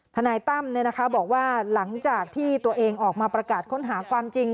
นายตั้มบอกว่าหลังจากที่ตัวเองออกมาประกาศค้นหาความจริง